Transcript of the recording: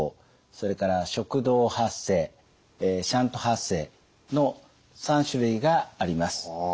それから食道発声シャント発声の３種類があります。